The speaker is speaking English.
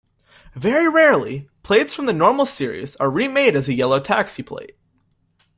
Very rarely, plates from the normal series are remade as a yellow taxi plate.